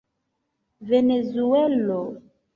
venezuelo